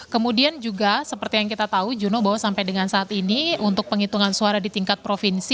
kemudian juga seperti yang kita tahu juno bahwa sampai dengan saat ini untuk penghitungan suara di tingkat provinsi